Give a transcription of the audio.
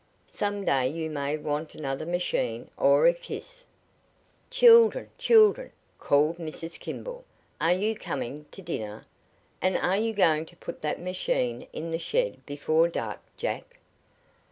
Some day you may want another machine or a kiss " "Children, children," called Mrs. Kimball, "are you coming to dinner? And are you going to put that machine in the shed before dark, Jack?"